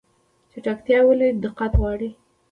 چټکتیا ولې دقت غواړي؟